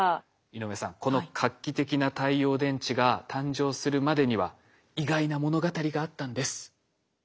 井上さんこの画期的な太陽電池が誕生するまでには意外な物語があったんです。